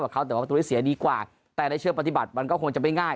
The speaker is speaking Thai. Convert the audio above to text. แบบเขาแต่ว่าตัวนี้เสียดีกว่าแต่ในเชื่อมปฏิบัติมันก็คงจะไม่ง่าย